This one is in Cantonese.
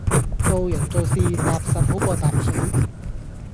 做人做事，踏實好過疊水